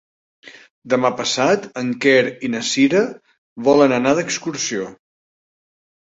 Demà passat en Quer i na Cira volen anar d'excursió.